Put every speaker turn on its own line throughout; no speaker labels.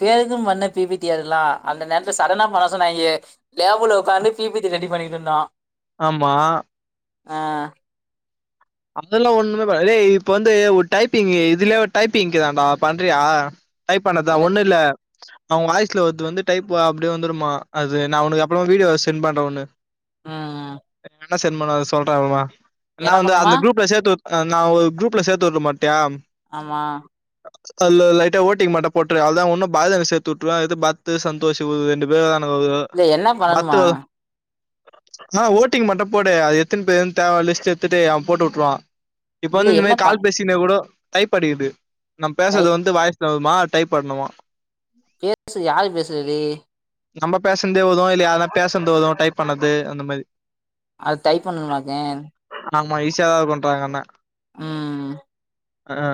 பேருக்குன்னு பண்ண P P T அதெல்லா அந்த நேரத்துல சடனா பண்ண சொன்னாங்க லேப்புல உக்காந்து பி பி ட் டி ரெடி பண்ணிட்ருந்தோ
ஆமா
அ
அதெல்லா ஒண்ணுமே பண் ஏய் இப்ப வந்து ஒரு டைப்பிங் இதுலயே ஒரு டைப்பிங்கு இக்குதான்டா பண்றியா டைப் பண்ணதா
என்ன-
ஒண்ணு இல்ல நம்ம வாய்ஸ்ல வரது வந்து டைப் அப்டியே வந்துருமா அது நா உனக்கு அப்றோ வீடியோ சென்ட் பண்ற ஒன்னு
ம்
எங் அண்ணே சென்ட் பண்ணாரு சொல்றே அப்றமா நா
என்ன
வந்து அந்த
பண்ணுமா
ப்ல சேத்து வுட் நா ஒரு குரூப்ல சேத்து உட்ட மாட்டியா
ஆமா
அல்ல லைட்டா ஓட்டிங் மட்டு போட்ரு அவள்தா இன்னு பாலு அண்ணே சேத்துவுட்டுருவ இது பத்து சந்தோஷ் து ரெண்டு பேர் வருவானுங்க
இல்ல என்ன
பத்து
பண்ணணுமா
ஆ ஓட்டிங் மட்டு போடு அது எத்துன பேருன்னு தேவை லிஸ்ட் எடுத்துட்டு அவ போட்டுவுட் ருவோ இப்ப
இல்ல
வந்து இந்த
என்ன
மாறி
பண்
கால் பேசினே கூட டைப் அடிக்கிறது நம்ம
டை
பேசுறது வந்து வாய்ஸ் [unintelligible] மா டைப் பண்ணுமா
பேசு யாரு பேசறது
நம்ம பேசன்ந்தே வரும் இல்ல யார்னா பேசன்ந்து வரும் டைப் பண்ணது அந்த மாறி
அது டைப் பண்ணுமாக்கே
ஆமா ஈஸியா இருக்குன்றா எங்க அண்ணே
ம்
அ அ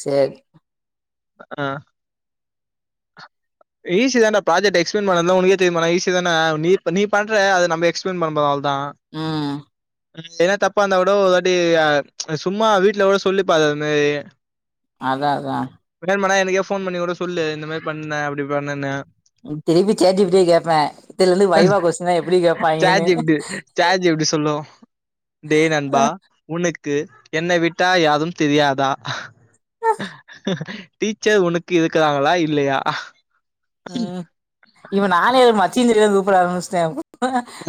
சேரி
அ ஈசி தாண்டா பிராஜக்ட் எக்ஸ்பிளைன் பண்றது தா உனக்கே தெரியுமேண்ணா ஈசி தான நீப் நீ பண்ற அத நம்ப எக்ஸ்பிளைன் பண்ணபோறோ அவள் தா
ம்
எதனா தப்பா இருந்தா கூடோ ஒருவாட்டி ஆ சும்மா வீட்ல கூட சொல்லிபாரு அது மாறி
அத்தா அத்தா
இப்டியே மேணா எனக்கே ஃபோன் பண்ணி கூட சொல்லு இந்தமாறி பண்ணே அப்டி பண்ணேன்னு
திருப்பி சேட் ஜி பி ட்டயே கேப்பே இதிலருந்து வைவா கொஸ்டின்லா எப்டி கேபாயிங்ன்னு
சேட் ஜி பி டி சொல்லு டே நண்பா உனுக்கு என்ன விட்டா யாரும் தெரியாதா
அ
டீச்சர் உனக்கு இருக்கறாங்களா இல்லயா
ம் இவன் ஆளே மச்சின்னு தெரிய கூப்பிட ஆரமிச்சிட்டா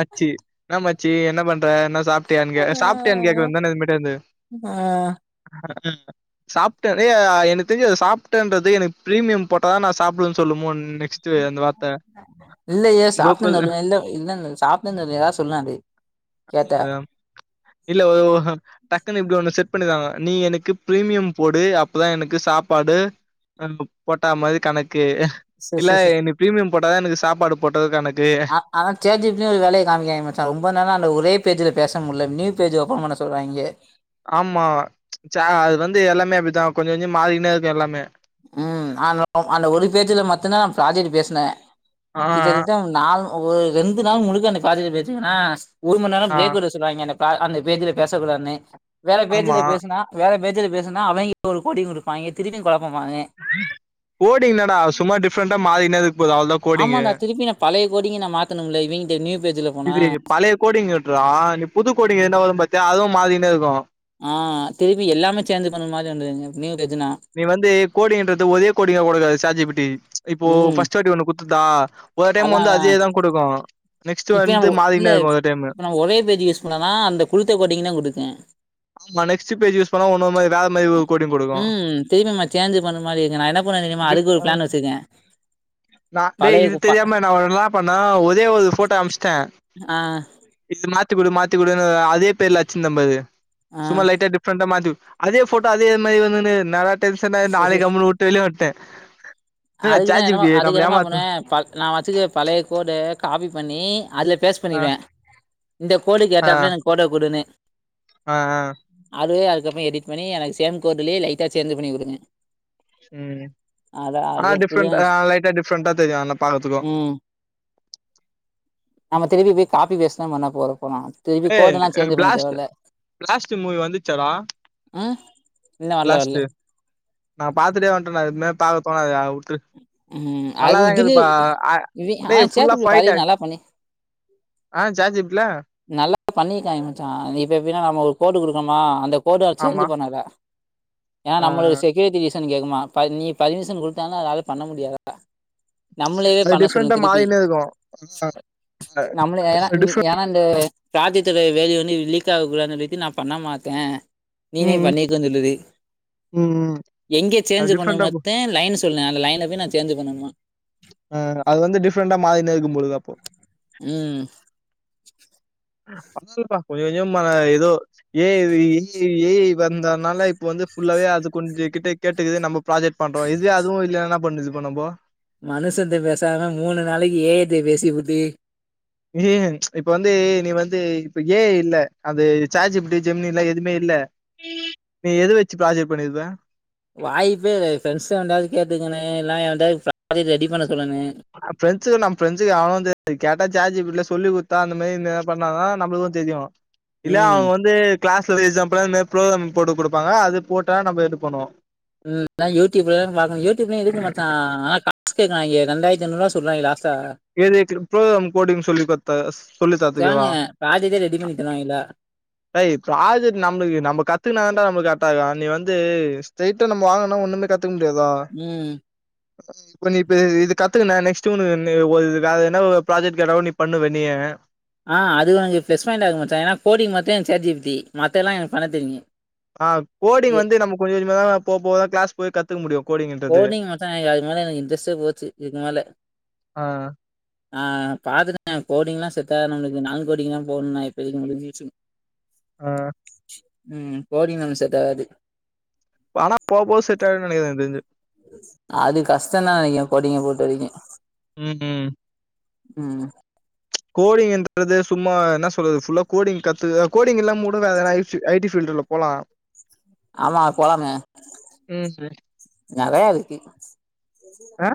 ச்சி என்னா மச்சி என்ன பண்ற என்ன சாப்டியான்னு கே சாப்டியான்னு கேக்க
ஆஹ்
வேன்தானே இன்மேட்லந்து
ஆஹ்
அ சாப்டே டே எனக்கு தெரிஞ் சாப்ட்டேன்றதே எனக்கு பிரிமியம் போட்டதா நா சாப்புடுவேன்னு சொல்லுமோ நெக்ஸ்ட் அந்த வார்த்த
இல்ல ஏ
கோகுல்
சாப்னுந்த இல்ல இல்ல இல்ல சாப்னிந்த ஏதாவது சொல்லா அது
ஆ இல்ல ஒரு டக்குன்னு இப்டி ஒண்ணு செட் பண்ணிதாங்க நீ எனக்கு பிரிமியம் போடு அப்பதா எனக்கு சாப்பாடு எனக்கு போட்டா மாரி கணக்கு
ச ச
இல்ல
ச
எனக்கு பிரீமியம் போட்ட தா எனக்கு சாப்பாடு போட்டது கணக்கு
ஆ ஆனா சேட் ஜி பி டி ஒரு வேலய காமிக்காங்க மச்சா ரொம்ப நெர அந்த ஒரே பேஜ்ஜில பேச முட்ல நியூ பேஜ் ஒப்பன் பண்ண சொல்றாய்ங்க
ஆமா ச அது வந்து எல்லாமே அப்டித்தா கொஞ்ச கொஞ்ச மாறினே இருக்கு எல்லாமே
ம் ஆன அந்த ஒரு பேஜ்ல மட்டுந்த பிராஜெட் பேசினே
ஆ
கிட்டதட்ட நா ஒரு ரெண்டு நாள் முழுக்க அந்த ப்ராஜெக்ட் பேசுவேனா ஒரு மண் நேர
ஆ
பிரேக் விட சொல்லுவாங்க அந்த பா பேஜ்ல பேசக்கூடாதுன்னு வேற
ஆமா
பேஜ்ல பேசுனா வேற பேஜ்ல பேசுனா அவங்க ஒரு கொடி குடுப்பாங்க திருப்பியு கொழப்பமாவே
கோடு என்னடா சும்மா டிஃரெண்டா மாரினா இருக்க போது அவ்ளதா
ஆமா
கோடிங்கு
நா திருப்பி நா பழைய கோடிங்க நா மாத்தணும்ல இவங்கிட்ட நியூ பேஜ்ல போனா
இது பழைய கோடிங்ட்ரா நீ புது கோடிங் என்ன வரும் பாத்தியா அதுவு மாரினே இர்கு
ஆ திருபி எல்லாமே சேஞ் பண்ண மாரி வந்துது நீயு டெஜினா
நீ வந்து கோடிங்ன்றது ஒரே கோடிங்கா குடுக்காது சேட் ஜி பி டி இப்போ
ம்
பர்ஸ்ட்டு வாட்டி ஒண்ணு குத்துத்தா ஒர்ரோரு டைம்
அதா
வந்து
அதா
அதே தா குடுக்கும் நெக்ஸ்ட்டு வந்து மாரினே இருக்கு ஒர்ரோரு டைம்மு
அ ஒரே பேஜ் யூஸ் நா நா அந்த குடுத்த கோட்டிங் தா குடுக்தே
ஆமா நெக்ஸ்ட் பேஜ் யூஸ் பண்ணா ஒன்னு மாரி வேற மாரி ஒரு கோடிங் குடுக்கு
ம் திரிம்பியு சேஞ்சு பண்ண மாரி இருக்கு நா என்னப் [unintelligible] தெரிமா
டிஃப்
அதுக்கு ஒரு
ஆ
ப்ளான் வச்சுருகே
நா டேய் இது தெரியாம நா ஒரு லா பண்ணே ஒரே ஒரு போட்டோ அம்ஸ்டே
ஆ
இது மாத்திகுடு மாத்திகுடுன்னு அதே பேர்ல அச்சிந்த பாரு
ஆ
சும்மா லைட்டா டிப் ஃபிரண்ட மாத்தி அதே போட்டோ அதே மாரி வந்துனு நல்லா டென்ஷ நாளைக்கு கம்மு வுட்டு வெளிய வன்டே
அதுக்குதா என்னமோ அ அதுக்கு என்னமா பண்ணுவே ப நா வச் வச்சிகிர்து பழைய கோடு காப்பி பண்ணி அதில பேஸ்
ஆ
பண்ணிருவே இந்த கோடுக்கு
ஆ
ஏத்தாப்புல எனக்கு கோட குடுன்னு
ஆ ஆ
அது அதுக்கப்ற எடிட் பண்ணி எனக்கு சேம் கோட்யே லைட்டா சேஞ் பண்ணி குடுங்க
ம்
அத அது
ஆனா
இப்டிதா
டிப்ரெண்ட் ஆ
யூஸ்
லைட்டா டிஃப்ரெண்டா தெரியு அண்ண பாக்கத்துக்கு
ம் நம்ம திருப்பி போய் காப்பி பேஸ்ட் தா பண்ண போறே போனாங்க திருப்பி
ஏய்
கோடுல்லா சேஞ்ச் பண்ண
பிளாஸ்ட்
தேவயில்ல
பிளாஸ்ட் மூவி வந்துச்சாடா
ம் இன்னோ வரல வரல
பிளாஸ்ட் நா பாத்துட்டே வந்துட்டண்டா இதுக்மே பாக்க தோணாதுடா உட்ரு
ம் அது
நல்லாதாங்க
இதுலயே
இருப்பா அ
இவி ஆனா
டேய் ஃபுல்லா
சேத்தி பாதி
ஃபைட் ஆயி
நல்லா பண்ணி
ஆ ஜாட்ஜிப்ட்ல
நல்லா பண்ணிக்கா மச்சான் இப்ப எப்பின்னா நம்ம ஒரு கோடு குடுக்கணுமா அந்த கோடு
ஆமா
சேஞ்சு பண்ணல ஏன்னா
ஆ
நம்மளுக்கு செக்யூரிட்டி ரீசன் கேட்கமா ப நீ பர்மிஷன் குடுத்தாலு அதனால பண்ண முடியாதா நம்மளயே
அது
பண்ண சொல்லு
டிஃப்ரெண்டா
திருப்பி
மாறினே இருக்கு
நம்மள ஏன்னா இங்க
டிஃப்ரெண்ட்
ஏன்னா இந்த ப்ராஜெக்ட் வா வால்யூ வந்து லீக் அகக்கூடதுனு நா பண்ண மாட்டே நீனே
ம் ம்
பண்ணிக்கோ சொல்லிது
ம் ம்
எங்க
அது
சேஞ்சு பண்ண
டிஃப்ரெண்டா
மத்த லைன்ஸ் இப்ப நா லையனுக்கு நா சேஞ் பண்ணு
ஆ அது வந்து டிஃப்ரண்டா மாரிநேக்கும் பொது அப்போ
ம்
கண்டிப்பா கொஞ்ச கொஞ்ச ம எதோ A I E I A I வந்தனால இப்ப வந்து ஃபுல்லாவே அது கொஞ்ச கிட்ட கேட்டு நம்ம ப்ராஜெக்ட் பண்றோம் இதுவே அதுவும் இல்லனா என்ன பண்ணுது இப்ப நம்ப
மனுஷந்த பேசாம மூணு நாளைக்கு ஏ ஐ ட்ட பேசிபுட்டு
ம் இப்ப வந்து நீ வந்து இப்ப ஏ ஐ இல்ல அந்த ஜாட்ஜிபிடி ஜெமினில்லா எதுமே இல்ல நீ எத வச்சு ப்ராஜெக்ட் பண்ணிருப்ப
வாய்ப்பே கெடையாது ஃப்ரெண்ட்ஸ்ண்டாவது கேட்டுக்கனு இல்ல எவன்டாது ப்ராஜெக்ட் ரெடி பண்ண சொல்லனு
பிரெஞ்சு நம் பிரெஞ்சுக்கு அவனும் தெரியாது கேட்டா ஜேட்ஜிபிடி ல சொல்லி குடுத்தா அந்த மாரி இந்த என்ன பண்ணாதா நம்மளுக்கும் தெரியும் இல்ல
ம்
அவுங்க வந்து கிளாஸ்ல எக்ஸாம்பலா இந்த மாரி புரோகிராம் போட்டுக் குடுப்பாங்க அது போட்டா நம்ம இது பண்ணுவோ
ம் நா யூடியூப்ல தா பாக்கனும் யூடியூப்லயு இருக்கு மச்சா ஆனா காசு கேட்குறாய்ங்க ரெண்டாயிரத்து ஐநூறுவா சொல்றாய்ங்க லாஸ்டா
எழுயத்துக்கு இப்ப நம்ம கோடிங் சொல்லித்தரதா சொல்லி தரதுக்கேவா
பிராஜெக்ட்டே ரெடி பண்ணி தருவாங்கிளா
டேய் ப்ராஜெக்ட் நம்மளு‌ நம்ம கத்துக்கனா தாண்டா நம்மளுக்கு கரெக்டா இருக்கும் நீ வந்து ஸ்ட்ரெயிட்டா நம்ம வாங்கனா ஒண்ணுமே கத் த்துக்க முடியாதா
ம்
இப்ப நீ இப்ப இது கத்துக்குன்ன நெக்ஸ்ட் உன்ன ஆ வேற எதன்னா ப்ராஜெக்ட் கேட்டாகுட பண்ணுவ நீ
ஆ அது எனக்கு ப்ளஸ் பாயிண்ட் ஆக மச்சா ஏனா கோடிங் மட்டும் எனக்கு ஜேட் ஜி பி டி மத்ததெல்லா எனக்கு பண்ண தெரியும்
ஆ கோடிங்
ஏ
வந்து நம்ப கொஞ்ச கொஞ்சமா போக போக தா கிளாஸ் போய் கத்துக்க முடியு கோடிங்
கோடிங் மச்சா எனக்கு அதுக்கு மேல எனக்கு இன்ட்ரெஸ்ட்டே போச்சி இதுக்கு மேல
ஆ
ஆ பாத்துட்டே கோடீங்கலா செட்டாது நம்மளுக்கு நாலு கோடிங்கலா போணுண்ணா இப்போ முடிஞ்சிச்சு
ஆ
ம் கோடிங் நமக் செட்டாகாது
ஆனா போக போக செட் ஆயிடு நெனைக்கிறே எனக்கு தெரிஞ்சு
அது கஷ்டந்தான் நெனைக்கிறே கோடிங்க பொறுத்த வரைக்கும்
ம்
ம்
கோடிங்ன்றது சும்மா என்ன சொல்றது ஃபுல்லா கோடிங் கத்து கோடிங்ல்லாம கூட வேறனா ஐ ஐ டி பீல்டுல்ல போலா
ஆமா போலாமே
ம்
நெறையா இருக்கு
ஆ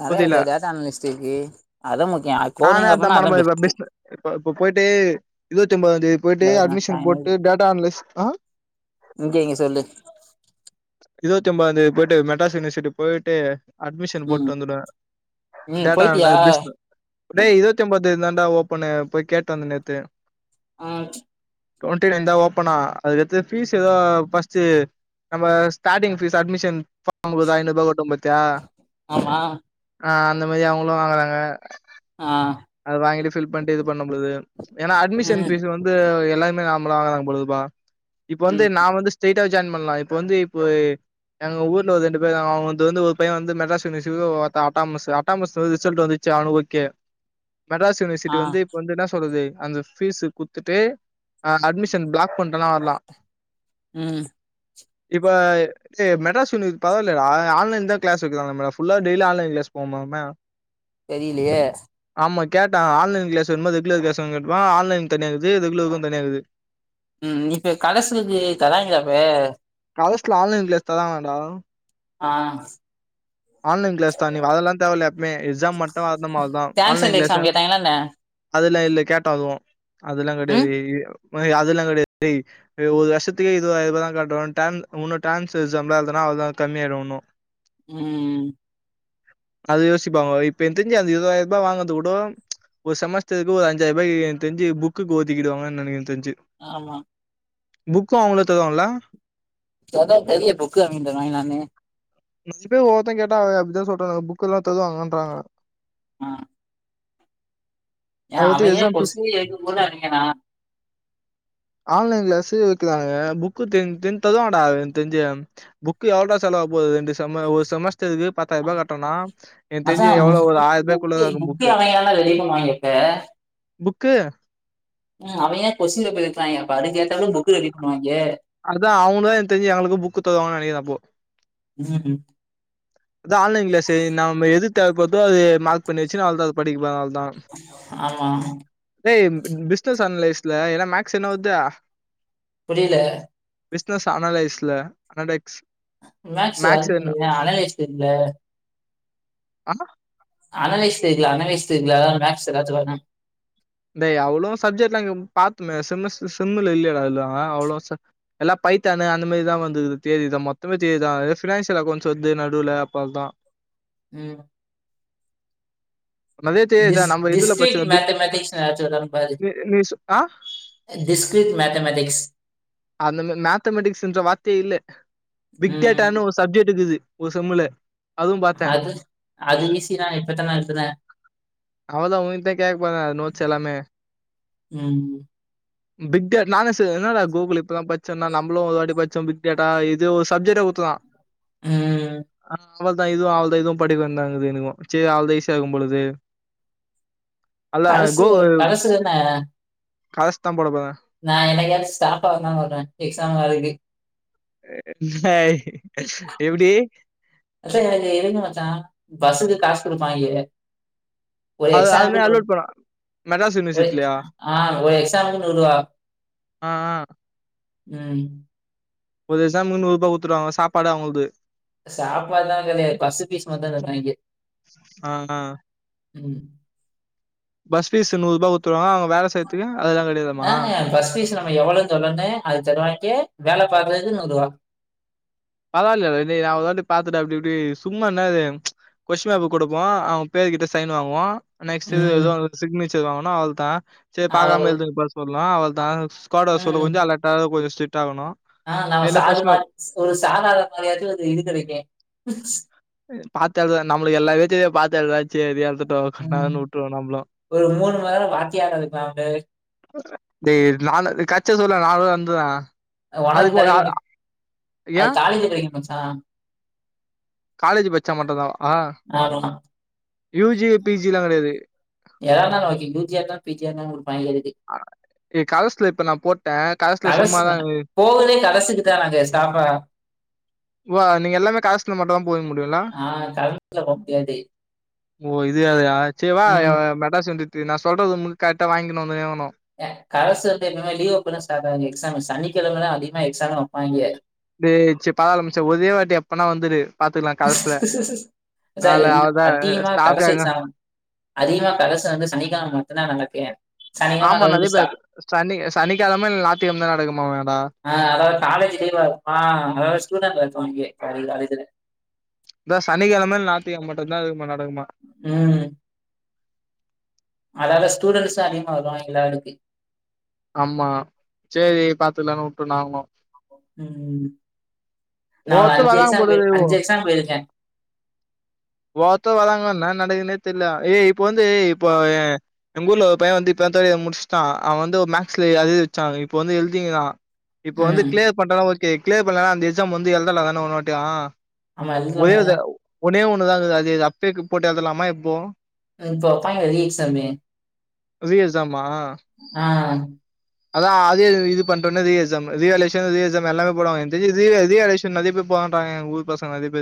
நெறய
புரில
டேட்டா அனாலிசிஸ் ருக்கு அதா முக்கியோ
நானே
கோடிங்க
அதான்
அப்பனா அதா
மனமா
பெஸ்ட்
இப்ப பிஸ்ன இப்ப இப்ப போயிட்டு இருவத்தி ஒம்பதாந்தேதி போயிட்டு
இந்த
அட்மிஷன் போட்டு டேட்டா அனலிஸ் ஆ
இங்க எங்க சொல்லு
இருவத்தி ஒம்பதாந்தேதி போயிட்டு மெட்ராஸ் யூனிவர்சிட்டி போயிட்டு அட்மிஷன்
ம்
போட்டு வந்துடுவே
ம்
டேட்டா
போயிட்டியா
அனாலிசிஸ்ல்ல டேய் இருவத்தி ஒம்பதாந்தேதி தாண்டா ஓப்பன்னு போய் கேட்டு வந்த நேத்து
ஆ
டுவெண்ட்டி நைன் தா ஓப்பனா அதுக்கடுத்து பீஸ் ஏதோ ஃபஸ்டு நம்ம ஸ்டார்ட்டிங் பீஸ் அட்மிஷன் ஃபாம்க்கு ஐநூரூபா குடுத்தோ பாத்தியா
ஆமா
ஆ அந்த மேரி அவுங்களு வாங்குறாங்க
ஆ
அத வாங்கிட்டு பில் பண்ணிட்டு இது பண்ணம் போது ஏன்னா அட்மிஷன்
ம்
பீஸ் வந்து எல்லாருமே நார்மலா வாங்கறாங்க போதுப்பா இப்ப வந்து
ம்
நா வந்து ஸ்டேட் ஆ ஜாய்ன் பண்ணலா இப்ப வந்து இப்போ எங்க ஊர்ல ஒரு ரெண்டு பேர் அவுங்க வந்து ஒரு பையே வந்து மெட்ராஸ் யூனிவர்சிட்டில்ல ஒருத்தே அட்டாணாமஸ் அட்டாணாமஸ் ரிசல்ட் வந்து ச்சு அவனுக்கு ஓகே மெட்ராஸ் யூனிவர்சிட்டி
ஆ
வந்து இப்ப வந்து என்ன சொல்லுது அந்த பீஸ் குத்துட்டு் அட்மிஷன் பிளாக் பண்ணுட்டனா வரலா
ம்
இப்ப மச்சி மெட்ராஸ் யூனி பரவாலயேடா ஆன்லைன் தா கிளாஸ் வக்குறால்ல டெய்லி ஆன்லைன் கிளாஸ் போமாமே
தெரியிலையே
ஆமா கேட்டா ஆன் கிளாஸ் வேணுமா ரெகுலர் கிளாஸ் வேணுமா கேட்டப்ப ஆன்லைன் தனியாகுது ரெகுலருக்கு தனியாகுது
ம் இப்ப கடசனக்கு தராங்களா இப்ப
கரஸ்ல ஆன்லைன் தராங்கலாண்டா
ஆ
ஆன்லைன் கிளாஸ் தா நீ வரெல்லா தேவல்ல எப்பிமே எக்ஸா மட்டுதா வரனுமா ஆன்லைன்
டிரான்ஸ்ஜெண்டர்
கிளாஸ்
எக்ஸாம் கேட்டாங்களா என்ன
அதெல்லா இல்ல கேட்ட அதுவு அதெல்லா
ம்
கிடையாது அதெல்லா கிடையாதுடே இது ஒரு வருஷத்துக்கே இது இவ்ளோதா கட்டணு டென் இன்னு டான்ஸ் எக்ஸாம்லா எழுதுனா அவளதா கம்மி ஆயிடு இன்னு
ம்
அது யோசிப்பாங்க இப்ப எனக்கு தெரிஞ்சு அந்த இருபதாயிர ரூபா வாங்குறது கூட ஒரு சமஸ்டருக்கு ஒரு அஞ்சாயிரூாயி எனக்கு தெரிஞ்சி புக்குக்கு ஒதுக்கிடுவாங்கன்னு நெனக்குற எனக் தெரிஞ்சி
ஆமா
புக்கு அவுங்களே தருவாங்கல
சத பெரிய புக்கு வாங்கி நானே
பேர் ஒவ்வருத்தன் கேட்டா அப்பிடிதா சொல்றா புக்கு எல்லா தருவாங்கன்றாங்க
ஆ ஏ
அது எதுக்கு
அவிங்கனே
எக்ஸாம் ஃபீஸ்
கொச்டின் எழுதும் போது அவிங்கனா
ஆன்லைன் கிளாஸ் வைக்கலாங்க புக்கு தெ தெர்ஞ்சு தருவாங்க டா எனக்கு தெர்ஞ்சு புக்கு எவ்வள டா செலவாக போது ரெண்டு செம ஒரு செமஸ்ட்டருக்கு பத்தாயிர ரூபா கட்றனா எனத் தெரிஞ்சி
அதான்
எவ்ளோ ஒரு
புக்கு
ஆயிர
புக்கு
ரூபாய்குள்ளதா இருக்கு
புக்கே
புக்கு
அவைங்களால ரெடி பண்ணுவாங்க இப்ப
புக்கு
ம் அவ ஏ கொசின் பேப்பர் எடுக்குறாங்க அப்ப அதுக்கேட்டாலு புக் எடிட் பண்ணுவாங்கே
அதா அவுங்கதா எனக்கு தெரிஞ்சு எங்களுக்கு புக்கு தருவாங்க நெனைக்குறே அப்போ
ம்
அதா ஆன்லைன் கிளாஸ் நம்ம எது தேவைப்படுதோ அது மார்க் பண்ணி வச்சுனு அவ்ளதா அத படிக்க அதனால தா
ஆமா
ஏய் பிசினஸ் அனலைஸ்ல ஏன்னா மேக்ஸ் என்னா வருது
புரியல
பிஷ்னஸ் அனலைஸ்ல அனடெக்ஸ்
மேக்ஸ் வரனுல்ல இல்லய அனலைஸ் டீம்ல
அண்ணா
அனலைஷ் ஸ்டேஜ் அனலைஷ் ஸ்டேஜ் அதா மேக்ஸ் எல்லாத்துக்கு வருனே
டே அவ்ளோ சப்ஜெட்லா இங்க பாத்தமே செமஸ் செம்ல இல்லயேடா அதெல்லா அவ்ளோ எல்லா பைத்தான்னு அந்த மாரிதா வந்து தேதிதா மொத்தமே தேதிதா ஏ ஃபினான்சியல் அக்கவுண்ட்ஸ் வந்து நடுவுல அப்பதா
ம்
நெறைய தியரி தா
டிஸ்
நம்ம இதுல
டிஸ்டரிக்
பச்ச பிக்
மேத்தமேட்டிக்ஸ்னு எதாச்சு வருதா பாரு
நீ நீ சொ ஆ
டிஸ்கிரித் மேத்தமட்டிக்ஸ்
அந்த மேத்தமெட்டிக்ஸ் என்ற வார்த்தையே இல்ல பிக்
ம்
டேட்டானு ஒரு சப்ஜெக்ட் இருக்குது ஒரு செம்முல அதுவு பாத்தே
அது அது ஈசி தா இப்பத்தா நடத்துன்னே
அவதா உங்கிட்ட கேக்க போர நா அது நோட்ஸ் எல்லாமே
ம்
பிக்டே நானு செரி என்னடா கோகுல் இப்பதா பச்சோம்னா நமளு ஒருவாட்டி பச்சம் பிக்டேட்டா இது சப்ஜெக்ட குத்துக்கா
ம்
ஆ அவள்தா இதுவு அவள்தா இதுவு படிக்க வெண்டிதாகுது எனக்கு செரி அவள்தா ஈசிய இருக்கும் பொழுது அல்ல
கடைசியில
கோகுல்
கடைசியில
காசு தா போடப்போற
நா என்னைகாச்சு ஸ்டாப் ஆ வந்தாலோ வருவே எக்ஸாம் ஹாலுக்கு
ஏ எப்டி
மச்சா எனக்கு எதுக்கு மச்சா பஸ்ஸுக்கு காசு குடுப்பாய்ங்க ஒரு
அது அது
எக்ஸாமுக்கு
மாரி
நூ
அலோட் பண்ணலா
ஒரு ஆ ஒரு எக்ஸாமுக்கு நூறுவா
ஆ ஆ
உம்
ஒரு எக்ஸாம் முன்னூ ரூபா குடுத்துவாங்க சாப்பாடு அவங்கள்து
சாப்பாட்ல கடையாது பஸ் பீஸ் மட்டு தருவாயிங்க
ஆ ஆ
ம்
பஸ் பீஸ் நூரூபா குத்துருவாங்க அவங்க வேல செய்ரதுக்கு அதுல்ல கெடையாதாமா
ஆ பஸ் பீஸ் லா நம்ப எவ்ளோனு அது தருவாங்யே வேல பாக்கறதுக்கு நூரூபா
பராவல்ல டா டேய் நா ஒரு வாட்டி பாத்துட்டு அப்டி இப்டி சும்மா என்னாது கொஷ்ட்டின் பேப்பர் குடுப்போ அவங்க பேரு கிட்ட சைன் வாங்குவோ நெக்ஸ்ட்டு இது
ம்.
ஏதோ சிக்னேச்சர் வாங்கனு அவள்தா செரி பாக்காம
அவ்ளோ
எழுதுங்கப்ப சொல்னோ அவள்தா குவாட் வர சொல்ல
ம்.
கொஞ்ச அலட்டா கொஞ்ச ஸ்ட்ரிக்ட் ஆகணு
ஆ நம்ம சாரு மாதி ஒரு சாதார மாதிரியாதையு ஒரு இது கெடைக்கு
பாத்து எழுற நம்மளுக்கு எல்லாமே தெரியு பாத்த எழுறாது சேரியந்துட்டோ ஆ
ம்.
உட்டுர்லாம்ல
ஒரு மணி நேரம் வாத்தியாரா இருக்கலாம்.
டேய் நால கச்சை சொல் நால வந்துர
ஒனக்கு கெடைக்கு வேண்டி அது
ஏன்
காலேஜ் கெடைக்கு மச்சா
காலேஜ் பச்சா மட்டுதா ஆ
ஆமா.
யூ ஜி பி ஜி எல்லா கெடையாது
ஏத இருந்தாலூ ஓகோ யூ ஜி தா பிஆ தா குடுப்பாங்கே இதுக்கு
ஆ ஏ கரஸ்சுல இப்ப நா போட்ட கரல்சுல
கரஸ்
சும்மாதா
நா போகலே கரஸுக்கு தான் நாங்க ஸ்டாஃபா
வா நீங்க எல்லாமே கரஸ்ல மட்டுதா போக முடியுல
ஆ கரஸ்ல போ முடியாது.
ஓ இது அதையா சரிவா
ம்.
மெட்டாச வந்துண்டு நா சொல்றது கரெக்டா வாங்கினு வந் ஆமா
ஏ கரஸ்ல தெரியுமா லீவ் அப்போ தா ஸ்டார்ட் ஆகு எக்ஸாமு சனிக்கெழம த அதிகமா எக்ஸாம் வெப்பாய்ங்க
டேய் செரி பராவால மச்சா ஒரே வாட்டி எப்பனா வந்துரு பாத்துக்கலா கரெஸ்ல
அதான்
கால்ல
எல்
அவதா
அதிகமா கரஸ்
ஸ்டாப்பிட்
எக்ஸாம் அதிகமா கரஸ்சுல வந்து சனிக்கெலம மட்டுதா நடக்குமே
ஆமா நரிய பேக் சனி சனிக்கெழம இல் நாத்திக்கெளம தா நடக்குமா மேடோ
ஆ அதாவது காலேஜ் லீவா இருக்குமா அதாவது ஸ்டூடெண்ட் எத்துவாய்ங்க பாதி காலேஜ்ல
அதா சனிக்கெழம நாத்திக்கெழம மட்டுதா அது நடக்குமா
ம் அதால ஸ்டூடெண்ட்ஸ்தா அதிகமா வருவாங்க எல்லாளுக்கு
ஆமா செரி பாத்துக்லானு வுட்டு நாங்களு
ம் நா
ஒவ்வொருத்தர்
அஞ்சு
வராங்க
எக்ஸாம்
போலது
போய் அஞ்சு எக்ஸாம் போயிருக்கே
ஒவ்ஒருத்தங்க வராங்க நா நடக்குனே தெரியல ஏய் இப்ப வந்து இப்போ எங்க ஊர்ல ஒரு பைய வந்து இப்பதா தார்ட் இயர் முடிச்சுட்டா அவ வந்து ஒரு மேக்ஸ்ல அரியர் வச்சா இப்ப வந்து எழுதிக்கிறா இப்ப வந்து
ம்.
கிளியர் பண்றதுன்னா ஓகே கிளியர் பண்ணலான அந்த எக்ஸாம் வந்து எழுதலந் தானே இன்னோர் வாட்டியோ
ஆமா.
ஒரே ஒரு
எழுதலாம்.
ஒன்னே ஒண்ணுதா கீது அது அப்பே போட்டு எடுத்தலாமா எப்போ
அ இப்ப பைனல் ரீஎக்ஸாமு
ரீ எக்ஸாமா
ஆ
அதா அதோ இது பண்றன்னு ரீ எக்சாம் ரீ வேல்யூவேஷன் ரீ எக்சாம் எல்லாமே போடுவங்க எனக்கு தெரிஞ்சு ரீ வேல் ரீ வேல்யூவேஷ் சோர் நர்ய பேர் போர்ன்றாங்க எங்க ஊர் பசங்க நர்ய பேர்